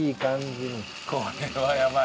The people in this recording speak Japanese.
これはやばい。